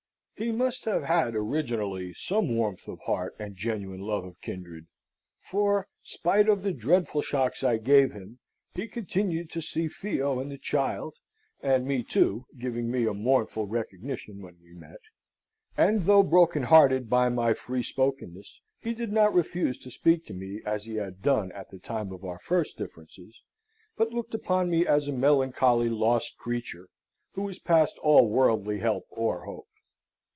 He must have had originally some warmth of heart and genuine love of kindred: for, spite of the dreadful shocks I gave him, he continued to see Theo and the child (and me too, giving me a mournful recognition when we met); and though broken hearted by my free spokenness, he did not refuse to speak to me as he had done at the time of our first differences, but looked upon me as a melancholy lost creature, who was past all worldly help or hope.